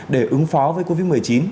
để ứng phó với covid một mươi chín